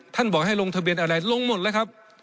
บอกให้ลงทะเบียนอะไรลงหมดแล้วครับ